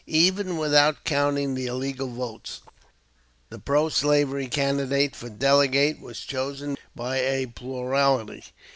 Even without counting the illegal votes, the pro slavery candidate for delegate was chosen by a plurality.